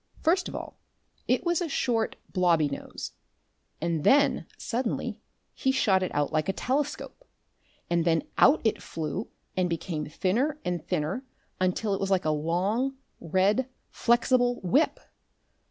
First of all it was a short, blobby nose, and then suddenly he shot it out like a telescope, and then out it flew and became thinner and thinner until it was like a long, red, flexible whip.